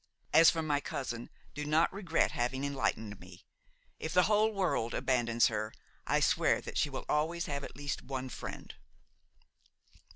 As for my cousin, do not regret having enlightened me. If the whole world abandons her, I swear that she will always have at least one friend."